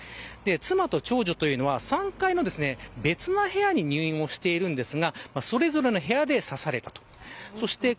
妻と長女は３階の別の部屋に入院をしているんですがそれぞれの部屋で刺されたと。